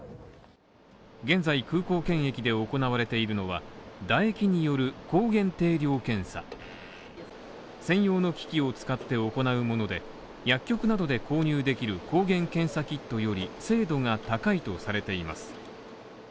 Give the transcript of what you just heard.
現在空港検疫で行われているのは、唾液による抗原定量検査専用の機器を使って行うもので、薬局などで購入できる抗原検査キットより精度が高いとされています。